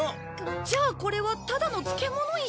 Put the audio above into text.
じゃあこれはただの漬物石。